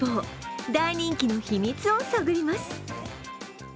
大人気のひみつを探ります。